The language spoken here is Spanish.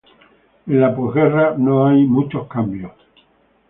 En la postguerra no hay muchos cambios.